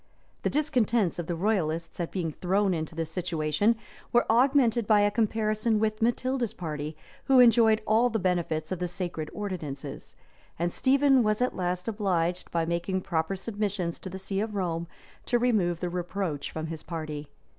[] {1147.} The discontents of the royalists at being thrown into this situation, were augmented by a comparison with Matilda's party, who enjoyed all the benefits of the sacred ordinances; and Stephen was at last obliged, by making proper submissions to the see of Rome, to remove the reproach from his party.